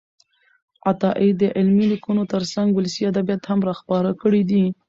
عطايي د علمي لیکنو ترڅنګ ولسي ادبیات هم راخپل کړي دي.